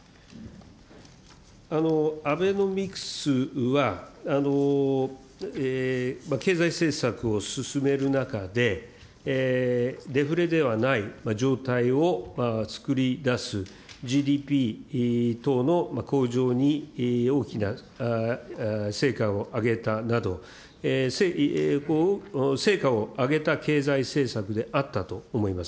アベノミクスは経済政策を進める中で、デフレではない状態を作り出すＧＤＰ等の向上に大きな成果を上げたなど、成果を上げた経済政策であったと思います。